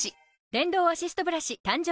電動アシストブラシ誕生